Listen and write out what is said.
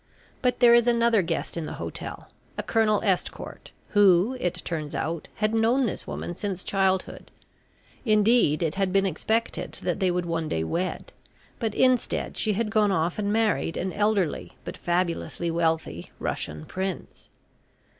But there is another guest in the hotel, a Colonel Estcourt, who, it turns out had known this woman since childhood. Indeed it had been expected that they would one day wed, but instead she had gone off and married an elderly, but fabulously wealthy, Russian prince.